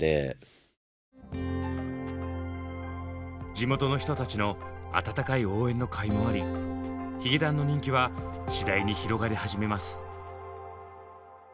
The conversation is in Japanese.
地元の人たちの温かい応援のかいもありヒゲダンの人気は次第に広がり始めます。